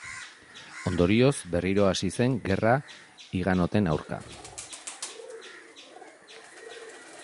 Ondorioz, berriro hasi zen gerra higanoten aurka.